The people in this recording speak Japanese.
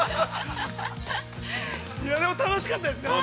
いや、でも、楽しかったです。